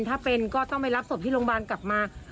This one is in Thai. ถ้าเป็นก็ต้องไปรับศพที่โรงพยาบาลกลับมา